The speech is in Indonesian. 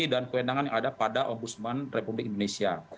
dan kewenangan yang ada pada ombudsman republik indonesia